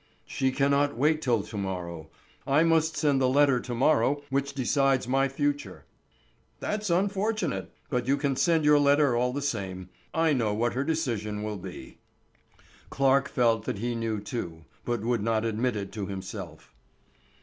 "She cannot wait till to morrow. I must send the letter to morrow which decides my future." "That's unfortunate; but you can send your letter all the same. I know what her decision will be." Clarke felt that he knew too, but would not admit it to himself.